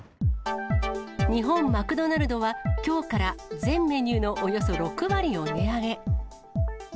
日本マクドナルドは、きょうから全メニューのおよそ６割を値上げ。